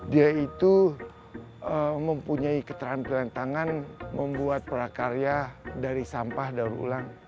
dia itu mempunyai keterampilan tangan membuat prakarya dari sampah daur ulang